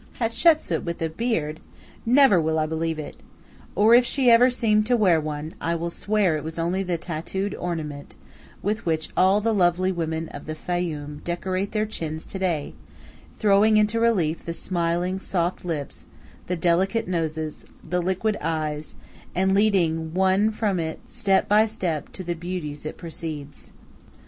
Hatshepsu with a beard! Never will I believe it. Or if she ever seemed to wear one, I will swear it was only the tattooed ornament with which all the lovely women of the Fayum decorate their chins to day, throwing into relief the smiling, soft lips, the delicate noses, the liquid eyes, and leading one from it step by step to the beauties it precedes.